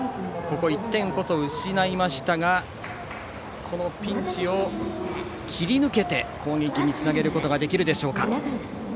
１点こそ失いましたがこのピンチを切り抜けて攻撃につなげることができるでしょうか。